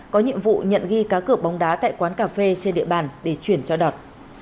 có nhiệm vụ nhận ghi cá cửa bóng đá tại quán cà phê trên địa bàn để chuyển cho đọt